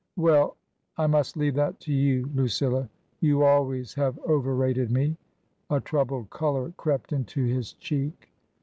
" Well ! I must leave that to you, Lucilla. You always have overrated me." [A troubled colour crept into his cheek.